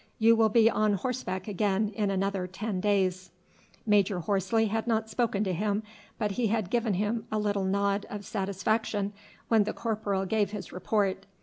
You will be on horseback again in another ten days." Major Horsley had not spoken to him, but he had given him a little nod of satisfaction when the corporal gave his report.